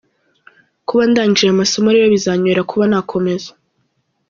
Kuba ndangije aya masomo rero bizanyorohera kuba nakomeza.